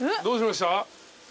どうしました？